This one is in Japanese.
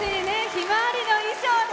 ひまわりの衣装で。